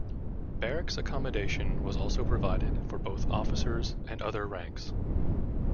Barracks accommodation was also provided for both officers and other ranks.